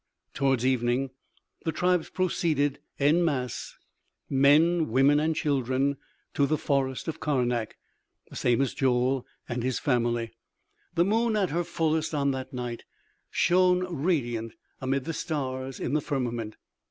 Towards evening the tribes proceeded en masse men, women and children to the forest of Karnak, the same as Joel and his family. The moon, at her fullest on that night, shone radiant amid the stars in the firmament.